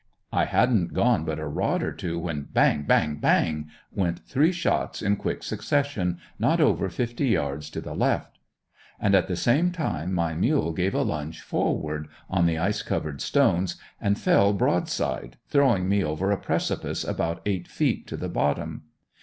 I hadn't gone but a rod or two when bang! bang! bang! went three shots in quick succession, not over fifty yards to the left; and at the same time my mule gave a lunge forward, on the ice covered stones, and fell broad side, throwing me over a precipice about eight feet to the bottom.